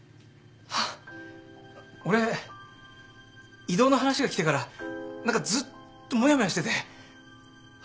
俺異動の話が来てから何かずっともやもやしてて。